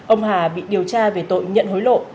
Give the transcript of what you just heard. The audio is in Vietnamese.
ông hà bị điều tra về tội nhận hối lộ